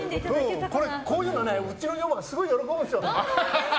こういうの、うちの女房がすごく喜ぶんですよ。